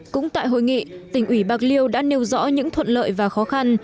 cũng tại hội nghị tỉnh ủy bạc liêu đã nêu rõ những thuận lợi và khó khăn